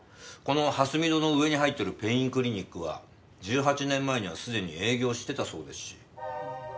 この蓮美堂の上に入ってるペインクリニックは１８年前にはすでに営業してたそうですし。